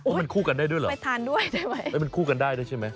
มันคู่กันได้ด้วยเหรอมันคู่กันได้ใช่ไหม